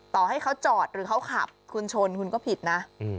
ต่อให้เขาจอดหรือเขาขับคุณชนคุณก็ผิดนะ